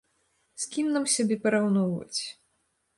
З кім нам сябе параўноўваць?